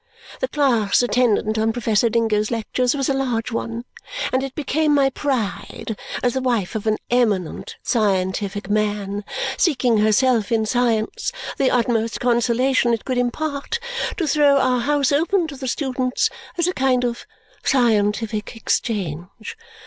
The class attendant on Professor Dingo's lectures was a large one, and it became my pride, as the wife of an eminent scientific man seeking herself in science the utmost consolation it could impart, to throw our house open to the students as a kind of Scientific Exchange.